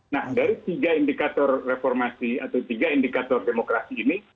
nah dari tiga indikator reformasi atau tiga indikator demokrasi ini